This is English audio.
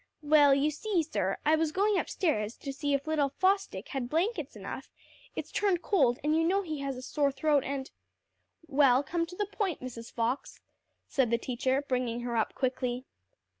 "Well, you see, sir, I was going upstairs to see if little Fosdick had blankets enough; it's turned cold, and you know he's had a sore throat, and " "Well, come to the point, Mrs. Fox," said the teacher, bringing her up quickly.